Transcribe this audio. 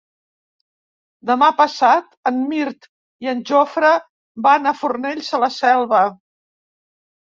Demà passat en Mirt i en Jofre van a Fornells de la Selva.